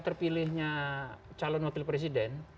terpilihnya calon wakil presiden